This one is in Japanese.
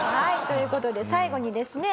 という事で最後にですね